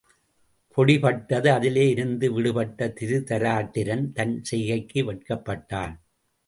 பொடிபட்டது அதிலே இருந்து விடுபட்ட திருதராட்டிரன் தன் செய்கைக்கு வெட்கப்பட்டான்.